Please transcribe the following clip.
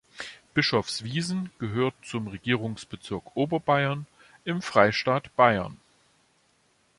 Bischofswiesen gehört zum Regierungsbezirk Oberbayern im Freistaat Bayern.